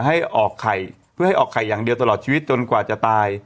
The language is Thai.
ให้ออกไข่อย่างเดียวตลอดชีวิตจนกว่าจะตาย